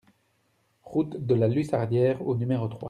Route de la Lussardière au numéro trois